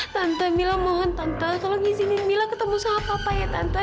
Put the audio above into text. tante mila mohon tante kalau ngizinin mila ketemu sama papa ya tante